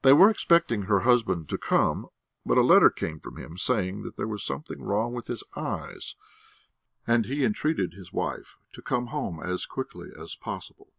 They were expecting her husband to come, but a letter came from him, saying that there was something wrong with his eyes, and he entreated his wife to come home as quickly as possible.